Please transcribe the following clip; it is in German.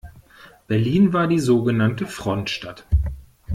Berlin war die sogenannte Frontstadt.